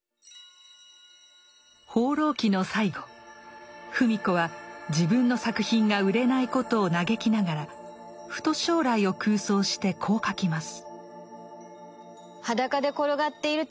「放浪記」の最後芙美子は自分の作品が売れないことを嘆きながらふと将来を空想してこう書きます。